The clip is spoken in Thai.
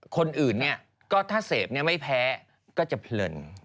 คนอื่นเนี่ยก็ถ้าเสพไม่แพ้ก็จะเพลิน